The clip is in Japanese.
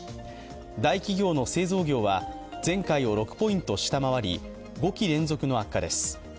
大企業の製造業は前回を６ポイント下回り５期連続の悪化です。